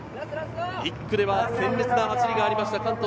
１区では鮮烈な走りがありました。